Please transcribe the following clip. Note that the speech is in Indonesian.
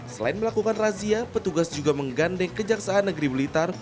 selain melakukan razia petugas juga menggandeng kejaksaan negeri blitar